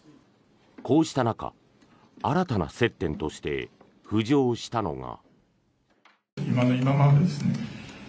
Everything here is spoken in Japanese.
こうした中、新たな接点として浮上したのが。